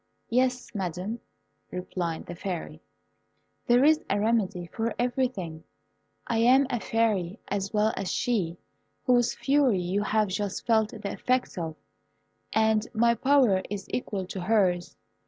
"Yes, Madam," replied the Fairy, "there is a remedy for everything. I am a Fairy as well as she whose fury you have just felt the effects of, and my power is equal to hers.